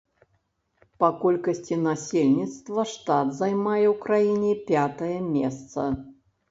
Па колькасці насельніцтва штат займае ў краіне пятае месца.